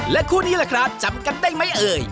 คู่นี้ล่ะครับจำกันได้ไหมเอ่ย